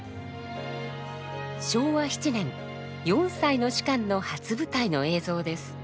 昭和７年４歳の芝の初舞台の映像です。